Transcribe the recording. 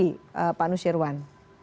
bagi partai sendiri pak nusirwan